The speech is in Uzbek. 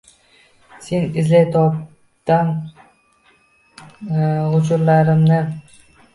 seni izlay, toptab g’ujurlarimni.